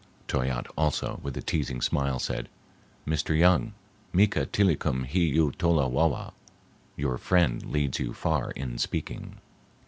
Toyatte also, with a teasing smile, said: "Mr. Young, mika tillicum hi yu tola wawa" (your friend leads you far in speaking).